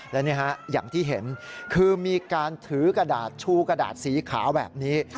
และนี่ฮะอย่างที่เห็นคือมีการถือกระดาษชูกระดาษสีขาวแบบนี้